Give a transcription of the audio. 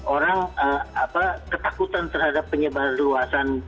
orang ketakutan terhadap penyebaran luasan